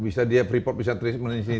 bisa freeport punya treatment di sini